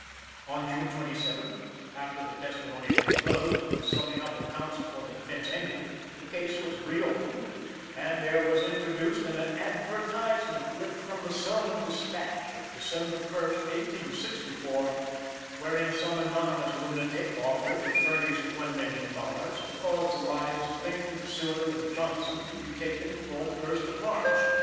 On June 27th, after the testimony had been closed and the summing up of counsel for the defense ended, the case was reopened and there was introduced an advertisement clipped from the "Selma Dispatch" of December 1st, 1864, wherein some anonymous lunatic offered, if furnished $1,000,000, to cause the lives of Lincoln, Seward and Johnson to be taken before the first of March.